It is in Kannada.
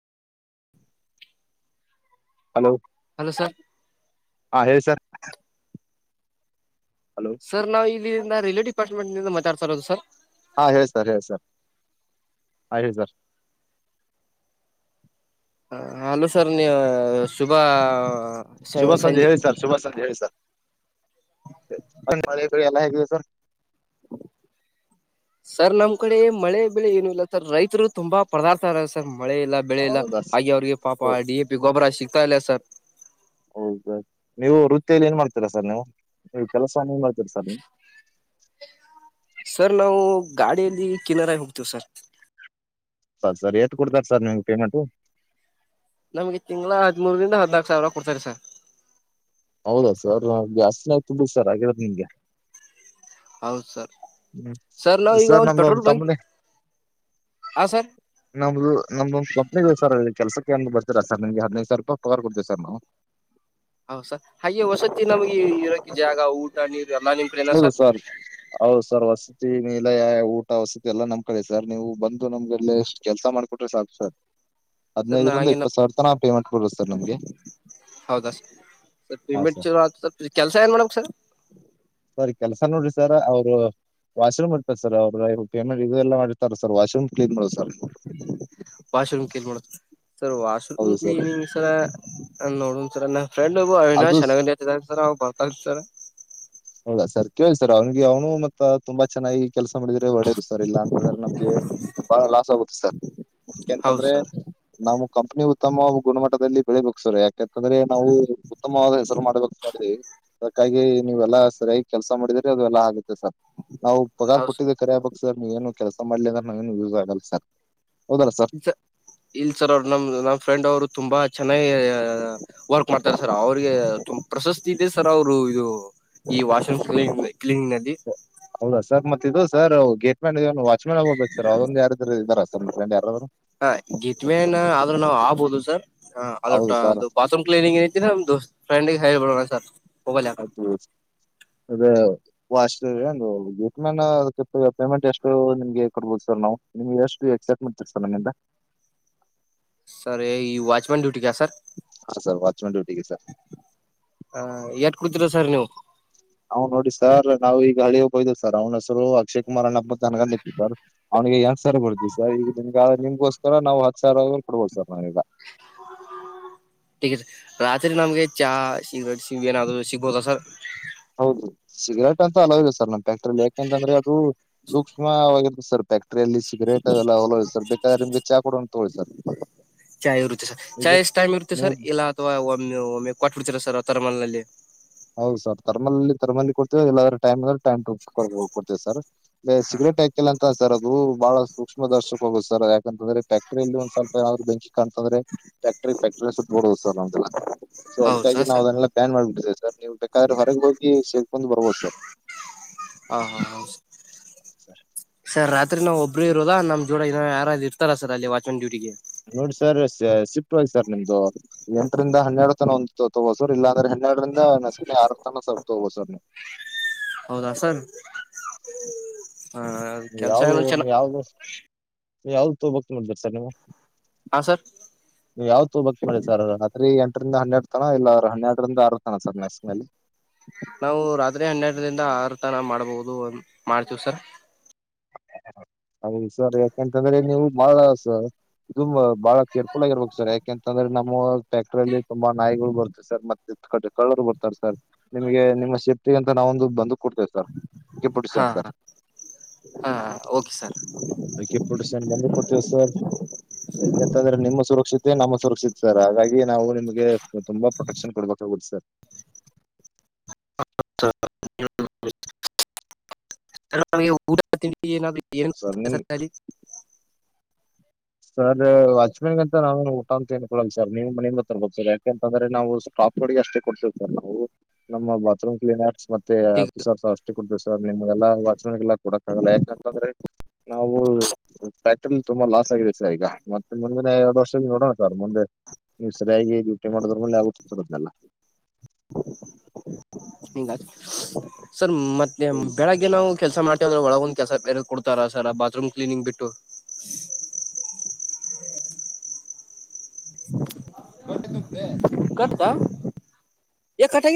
Hello hello sir. ಹಾ ಹೇಳಿ ಸರ್. ಹಲೋ ಸರ್ ನಾವು ಇಲ್ಲಿಂದ ರೈಲ್ವೆ ಡಿಪಾರ್ಟ್ಮೆಂಟ್ ನಿಂದ ಮಾತಾಡ್ತಾರೋದು ಸರ್. ಹಾ ಹೇಳಿ ಸರ್ ಹೇಳಿ ಸರ್ ಹಾ ಹೇಳಿ ಸರ್. ಹ ಅಲೋ ಸರ್ ನೀ ಶುಭ ಸ ಶುಭ ಸಂಜೆ ಹೇಳಿ ಶುಭ ಸರ್ ಹೇಳಿ ಸರ್. [unintelligible] ಹೇಗಿದೆ ಸರ್. [inaudible] ಸರ್ ನಮ್ ಕಡೆ ಮಳೆ ಬೆಳೆ ಏನು ಇಲ್ಲ ಸರ್ ರೈತರು ತುಂಬಾ [unintelligible] ಸರ್ ಮಳೆ ಇಲ್ಲ ಬೆಳೆ ಇಲ್ಲ ಹೌದಾ ಹಾಗೆ ಅವ್ರಿಗೆ ಪಾಪ ಸರ್ ಡಿ-ಎ-ಪಿ ಗೊಬ್ಬರ ಸಿಗ್ತಾ ಇಲ್ಲ ಸರ್. ಹೌದ ನೀವು ವೃತ್ತಿಯಲ್ಲಿ ಏನ್ ಮಾಡ್ತೀರಾ ಸರ್ ನೀವು ಕೆಲಸ ಏನ್ ಮಾಡ್ತೀರ ಸರ್ ನೀವು. ಸರ್ ನಾವು ಗಾಡಿಯಲ್ಲಿ ಕಿನರ ಹೋಗ್ತೇವಿ ಸರ್. ಸರಿ ಸರ್ ಏತ್ ಕೊಡ್ತಾರೆ ಸರ್ ನಿಮ್ಗೆ ಪೇಮೆಂಟು. ನಮಗೆ ತಿಂಗಳ ಹದಿಮೂರಿಂದ ಹದಿನಾಕ ಸಾವಿರ ಕೊಡ್ತಾರೆ ಸರ್. ಹೌದಾ ಸರ್ [unintelligible] ಸರ್ ಆಗಿರೋದು ನಿಮ್ಗೆ. ಹೌದ ಸರ್. ಸರ್ ನಾವ ಈಗ ಒಂದ ನಮ್ದು ಒಂದು ಪೆಟ್ರೋಲ್ ಬಂಕ್ ಕಂಪ್ನಿ ಆ ಸರ್. ನಮ್ದು ನಮ್ದ ಒಂದ್ [unintelligible] ಕೆಲಸಕ್ಕೆ ಅಂತ್ ಬರ್ತಿರಾ ಸರ್ ನಿಮಗೆ ಹದಿನೈದ್ ಸಾವಿರ ರೂಪಾಯಿ ಪಗಾರ್ ಕೊಡ್ತವಿ ಸರ್ ನಾವು. ಹೌದ್ ಸರ್ ಹಾಗೆ ವಸತಿ ನಮ್ಗೆ ಇರಕ್ಕೆ ಜಾಗ, ಊಟ, ನೀರು ಎಲ್ಲಾ ನಿಮ್ ಕಡೆನ ಸರ್. ಹೌದು ಸರ್ [unintelligible] [unintelligible] ಊಟ ವಸತಿ ಎಲ್ಲಾ ನಮ್ ಕಡೆ ಸರ್ ನೀವು ಬಂದು ನಮ್ಗೆಲ್ಲ ಎಷ್ಟು ಕೆಲಸ ಮಾಡ್ಕೊಟ್ರೆ ಸಾಕು ಸರ್. ಸರ್ ನಾ ಹದಿನೈದರಿಂದ ಹಾಗೆ ನಾ ಇಪ್ಪತ್ ಸಾವಿರ ತನಾ ಪೇಮಂಟ್ ಕೊಡೋದು ಸರ್ ನಮ್ಗೆ. ಹೌದಾ ಸ ಸರ್ ಪೇಮೆಂಟ್ ಚಲೋ [unintelligible] ಕೆಲ್ಸ ಏನ್ ಮಾಡಬೇಕ್ ಸರ್. ಸರಿ ಕೆಲ್ಸ ನೋಡ್ರಿ ಸರ್ ಅವರು ವಾಶ್ರೂಮ್ ಇರತ ಸರ್ ಅವ್ರ ಪೇಮೆಂಟ್ ಇದು ಎಲ್ಲ ಮಾಡರ್ತಾರೆ ಸರ್ ವಾಶ್ರೂಮ್ ಕ್ಲೀನ್ ಮಾಡುದು sir. Washroom [unintelligible] ಮಾಡೋಡ sir washroom clean sir ನೋಡುನು ಸರ್ ನನ್ ಫ್ರೆಂಡ್ಬ್ ಅದು ಅವಿನಾಶ್ ಹಣಗಂಡಿ ಅತ್ ಅದಾನ್ರಿ ಸರ್ ಅವ ಬರ್ತಾನ್ರಿ ಸರ್. ಹೌದಾ ಸರ್ ಕೇಳಿ ಸರ್ ಅವ್ನಿಗೆ ಅವನು ಮತ್ತ ತುಂಬಾ ಚೆನ್ನಾಗಿ ಕೆಲಸ ಮಾಡಿದ್ರೆ ಒಳ್ಳೇದು ಸರ್ ಇಲ್ಲ ಅಂತಂದ್ರೆ ನಮ್ಗೆ ಬಾಳ ಲಾಸ್ ಆಗುತ್ತೆ ಸರ್. ಹೌದ್ ಯಾಕೆಂತಂದ್ರೆ ಸರ್ ನಮ್ ಕಂಪ್ನಿ ಉತ್ತಮವ ಗುಣಮಟ್ಟದಲ್ಲಿ ಬೆಳಿಬೇಕ್ ಸರ್ ಯಾಕೆ ಯಾಕಂದ್ರೆ ನಾವು ಉತ್ತಮವಾದ ಹೆಸರು ಮಾಡಬೇಕ ಮಾಡಿದೀವಿ ಅದಕ್ಕಾಗಿ ನೀವುಲ್ಲಾ ಸರಿಯಾಗಿ ಕೆಲ್ಸಾ ಮಾಡಿದ್ರೆ ಅದು ಎಲ್ಲ ಆಗುತ್ತೆ ಸರ್ ನಾವು ಪಗಾರ್ ಹೌದ್ ಕೊಟ್ಟಿದ್ದೆ ಕರೆ ಅಬೇಕ್ ಸರ್ ನೀವೇನು ಕೆಲಸ ಮಾಡ್ಲಿಂದ್ರ ನಂಗೆನ್ ಯೂಸ್ ಆಗಲ್ಲ ಸಾರ್ ಹೌದಲ್ಲ ಸರ್. ಸ ಇಲ್ ಸರ್ ಅವ್ರ ನಮ ನಮ್ಮ್ ಫ್ರೆಂಡ್ ಅವರು ತುಂಬಾ ಚೆನ್ನಾಗಿ ಅ ವರ್ಕ್ ಮಾಡ್ತಾರ ಸರ್ ಅವ್ರಿಗೆ ತುಂಬ ಪ್ರಶಸ್ತಿ ಇದೆ ಸರ್ ಅವರು ಇದು ಈ ವಾಷೂಮ್ ಕ್ಲಿನ್ ಕ್ಲಿನಿಂಗ್ ನಲ್ಲಿ ಹೌದಾ ಸರ್ ಮತ್ತ ಇದು ಸರ್ ಗೇಟ್ ಮ್ಯಾನ್ ಇದ ವಾಚ ಮ್ಯಾನ್ ಬೇಕ ಆಗಿತ್ತ ಸರ್ ಅದೊಂದ ಯಾರಾದ್ರೂ ಇದಾರ ಸರ್ ಫ್ರೆಂಡ್ ಯಾರಾದ್ರೂ? ಹ [unintelligible] ಆದ್ರೂ ನಾವ್ ಆಗ್ಬಹದು ಸರ್ ಹಾ ಅದು ಹೌದು ಟಾ ಸರ್ ಅದು ಬಾತ್ರೂಮ್ ಕ್ಲಿನಿಂಗ ಆಯ್ತಿ ನಮ್ದು ಫ್ರೆಂಡ್ಗೆ ಹೇಳ್ಬಿಡಣ ಸರ್. ಮೊಬೈಲ್ ಯಾಕ ಅದು ಅದ ಓ ಅಷ್ಟ ಅದೇನು [unintelligible] ಪೇಮೆಂಟ್ ಎಷ್ಟ ನಿಮ್ಗೆ ಕೊಡ್ಬೋದು ಸರ್ ನಾವು? ನಿವ ಎಷ್ಟ ಎಕ್ಸೆಪ್ಟ್ ಮಾಡ್ತಿರ್ ಸರ್ ನನ್ನಿಂದ? ಸರ್ ಈ ವಾಚ್ಮ್ಯಾನ್ ಡ್ಯೂಟಿಗಾ ಸರ್? ಹಾ ಸರ್ ವಾಚ್ಮ್ಯಾನ್ ಡ್ಯೂಟಿಗೆ ಸರ್. ಹ ಎಟ್ ಕುಡ್ತಿರಾ ಸರ್ ನೀವು? ಅವ ನೋಡಿ ಸರ್ ನಾವು ಈಗ ಹಳೆಯೊಬ್ಬಾ ಇದ್ದಾ ಸರ್ ಅವ್ನ ಹೆಸರು ಅಕ್ಷಯ್ ಕುಮಾರ್ ಅಣ್ಣಪ್ಪ ಮನಗಂಡ ಇತ್ತು ಸರ್ ಅವನಿಗೆ ಎಂಟ ಸಾವ್ರ ಬರ್ತಿತ್ತ ಸರ್ ಈಗ ನಿಮ್ಗ ಆದ್ರ ನಿಮ್ಗೋಸ್ಕರ ತ ನಾವು ಹತ್ತ ಸಾವ್ರ ವರೆಗೂ ಕೋಡ್ಬೋದ ಸರ್ ನಾವೀಗ. ರಾತ್ರಿ ನಮ್ಗೆ ಚಾ ಸಿಗ್ರೇಟ್ ಹಿಂಗೇನಾದ್ರೂ ಸಿಗ್ಬೋದ ಸರ್? ಹೌದು ಸಿಗರೇಟ್ ಅಂತ್ರು ಅಲ್ಲೌ ಇಲ್ಲಾ ಸರ್ ನಮ ಫ್ಯಾಕ್ಟ್ರಲ್ಲಿ ಯಾಕೆಂತಂದ್ರೆ ಅದು ಸೂಕ್ಷ್ಮವಾಗಿವಾಗಿದೇ ಸರ್ ಫ್ಯಾಕ್ಟ್ರಯಲ್ಲಿ ಸಿಗರೇಟ್ ಎಲ್ಲ ಅಲ್ಲೌ ಇಲ್ಲಾ ಸರ್ ಬೇಕಾದ್ರೆ ನಿಮಗೆ ಚಾ ಕೊಡೋಣ ತೊಗೊಳಿ ಸರ್. ಚಾಯ್ ಇರುತ್ತೆ ಸರ್ ಚಾಯ್ ನೀವ ಎಷ್ಟ ಟೈಮ್ ಇರುತ್ತೆ ನೀವು ಸರ್ ಎಲ್ಲ ಅಥವಾ ಒಮ್ಮೆ ಒಮ್ಮೆ ಕೊಟ್ಬ ಬಿಡ್ತೀರ ಸರ್ ಆ ತರಮಲ್ ಅಲ್ಲಿ. ಹೌದು ಸರ್ ಥರ್ಮಲ್ಲಿ ಥರ್ಮಲ್ಲಿ ಕೊಡ್ತೇವೆ ಇಲ್ಲಾರ ಟೈಮ್ ಅಂದ್ರ ಟೈಮ್ ಟು ಟೈಮ್ ಪ್ರಕಾರ ಕೊಡ್ತಿವಿ ಸರ್. ಸಿಗರೇಟ್ ಯಾಕಿಲ್ಲ ಅಂತ ಸರ್ ಅದು ಬಹಳ ಸೂಕ್ಷ್ಮ ದರ್ಶಕ ಹೋಗುತ್ತ ಸರ್ ಯಾಕಂತಂದ್ರೆ ಫ್ಯಾಕ್ಟರಿಲಿ ಒಂದ ಸ್ವಲ್ಪ್ ಯಾವ್ದ ಬೆಂಕಿ ಕಾಣ್ತ್ ಅಂದ್ರೆ ಫ್ಯಾಕ್ಟ್ರ ಫ್ಯಾಕ್ಟರಿ ಸುಟ್ ಬುಡೋದು ಸರ್ ನಮ್ದಲ್ಲ ಸೊ ಅದಕ್ಕಾಗಿ ಹೌದಾ ನಾವ ಸರ್ ಅದನೆಲ್ಲ ಬ್ಯಾನ್ ಮಾಡಬಿಟ್ಟಿದಿವಿ ಸರ್ ನೀವು ಬೇಕಾದ್ರೆ ಹೊರಗೆ ಹೋಗಿ ಸೇದಕೊಂಡ ಬರ್ಬೋದ ಸರ್. ಹಾ ಹಾ ಹ ಹ ಸರ್ ಸರ್ ರಾತ್ರಿ ನಾವ ಒಬ್ರೆ ಇರೋದಾ ನಮ್ ಜೋಡ ಇನಾ ಯಾರಾದ್ರು ಇರ್ತಾರ ಸರ್ ಅಲ್ಲಿ ವಾಚ್ಮ್ಯಾನ್ ಡ್ಯೂಟಿಗೆ? ನೋಡಿ ಸರ್ ಶ ಶಿಫ್ಟ್ ವೈಸ್ ಸರ್ ನಿಮ್ದು ಎಂಟರಿಂದ ಹನ್ನೆಡು ತನ ಒಂದ ತೋ ತೊಬೊದ ಸರ್ ಇಲ್ಲಾಂದ್ರೆ ಹನ್ನೆರಡರಿಂದ ನಸ್ಕಿನಾಗ್ ಆರ್ ತನ ತೋಗೋಬೋದ ಸರ್. ಹೌದಾ ಸರ್ ಹ. ಕೆಲ್ಸ ಯಾವುವು ಏನೋ ಚೆನ್ನ ನೀ ಯಾವ್ದ ನೀ ಯಾವ್ದ ನೀ ಯಾವ್ದ ತೊಬೆಕ್ ಅಲ್ಲತ್ತಿರ್ ಸರ್ ನೀವು? ಹಾ ಸರ್ ನೀವು ಯಾವ ತೊಬೆಕ್ ಮಾಡಿರಿ ಸರ್ ರಾತ್ರಿ ಎಂಟರಿಂದ ಹನ್ನೆಡ ತನ ಇಲ್ಲ್ರ ಹನ್ನೆರಡರಿಂದ ಆರ್ ತನ ಸರ್ ನಸ್ಕ್ನಲ್ಲಿ. ನಾವು ರಾತ್ರಿ ಹನ್ನೆರ್ಡ್ರಿಂದಾ ಆರರ್ ತನ ಮಾಡ್ಬಹುದು ಮಾಡ್ತೀವ್ ಸರ್. ಹೌದು ಸರ್ ಯಾಕಂತಂದ್ರೆ ನೀವು ಬಹಳ ಸ ಇದು ಬಹಳ ಕೇರ್ಫುಲ್ ಆಗಿರ್ಬೇಕು ಸರ್ ಯಾಕೆಂತಂದ್ರೆ ನಮ್ಮ ಫ್ಯಾಕ್ಟ್ರಲ್ಲಿ ತುಂಬಾ ನಾಯ್ಗಳು ಬರ್ತಿವೆ ಸರ್ ಮತ್ತೆ ಎ ಕಟ್ಟ ಕಳ್ಳರು ಬರ್ತಾರೆ ಸರ್ ನಿಮಗೆ ನಿಮ್ಮ ಸೇಫ್ಟಿ ಅಂತ ನಾವೊಂದು ಬಂದುಕ್ ಕೊಡ್ತೇವ ಸರ್ ಹಾ [unintelligible] ಸರ್. ಹಾ ಹಾ okay sir AK forty seven gun ಕೊಡ್ತಿವಿ ಸರ್ ಯಾಕೆಂತಂದ್ರೆ ನಿಮ್ಮ ಸುರಕ್ಷಿತೆ ನಮ್ಮ ಸುರಕ್ಷತೆ ಸರ್ ಹಾಗಾಗಿ ನಾವು ನಿಮಗೆ ತುಂಬಾ ಪ್ರೊಟೆಕ್ಷನ್ ಕೊಡ್ಬೇಕಾಗುತ್ತ ಸರ್. [unintelligible] ನಾವ ಊಟಾತಿಂಡಿ [inaudible] ನಾವ ಸರ್ ನಿಮ್ ಏಲ್ಲಿ ಸರ್ ವಾಚಮನ್ ಅವನ ಅಂತ ನಾವ ಊ ಅಂತ ತಿಳ್ಕೊಳ್ಳೋಲ್ಲ ಸರ್ ನಿಮ್ ಮನೇನ್ ಬ ತರ್ಬೋದು ಸರ್ ಯಾಕೆ ಅಂತಂದ್ರೆ ನಾವು ಟಾಪ್ ಗೆ ಅಷ್ಟೇ ಕೊಡ್ತೇವಿ ಸರ್ ನಾವು ನಮ್ಮ ಬಾತ್ರೂಮ್ ಕ್ಲೀನರ್ಸ್ ಮತ್ತೆ ಈಗ ಆಫೀಸರ್ಸ್ ಅಷ್ಟೇ ಕೊಡ್ರು ಸರ್ ನಿಮ್ಗೆಲ್ಲಾ ವಾಚಮನ್ ಗಳಿಗೇಲ್ಲಾ ಕೊಡಕ್ಕ ಆಗಲ್ಲ ಯಾಕಂತಂದ್ರೆ ನಾವು ಫ್ಯಾಕ್ಟರಿ ನ ತುಂಬಾ ಲಾಸ್ ಆಗಿದೇ ಸರಿ ಈಗ ಮತ್ತೆ ಮುಂದಿನ ಎರಡ ವರ್ಷ ನೋಡೋಣ ಸರ್ ಮುಂದೆ ನೀ ಸರಿಯಾಗಿ ಯುಟಿ ಮಾಡದ್ರ ಮೇಲೆ ಆಗುತ್ತದಲ್ಲಾ ಹಗ ಸರ್ ಮತ್ತೆ ಅದನ್ನೆಲ್ಲ ಬೆಳಗ್ಗೆ ನಾವು ಕೆಲಸ ಮಾಡ್ತೀನಿ ಅಂದ್ರೆ ಒಳಗಂದ ಕೆಲಸ ಬೇರೆದ ಕೊಡ್ತಾರ ಸರ್ ಬಾತ್ ರೂಮ್ ಕ್ಲಿಲನಿಂಗ್ ಬಿಟ್ಟು ಹುಂ ಒಟ್ಟ ನಪ್ಪೆ [unintelligible] ಕಟ್ಟಾ ಎ ಕಟ್ಟ್ ಆಗಿಲಾ